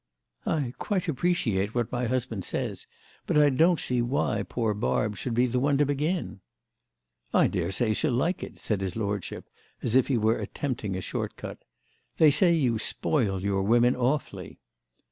"I quite appreciate what my husband says, but I don't see why poor Barb should be the one to begin." "I daresay she'll like it," said his lordship as if he were attempting a short cut. "They say you spoil your women awfully."